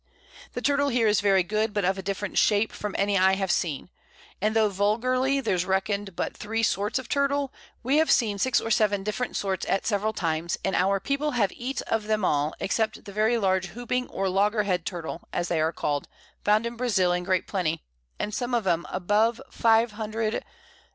The Turtle here is very good, but of a different Shape from any I have seen; and tho' vulgarly there's reckon'd but 3 sorts of Turtle, we have seen 6 or 7 different sorts at several Times, and our People have eat of them all, except the very large hooping or logger head Turtle (as they are call'd) found in Brazil in great plenty, and some of them above 500 _l.